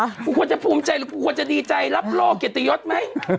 กูควรจะภูมิใจหรือกูควรจะดีใจรับโลกเกียรติยศไหม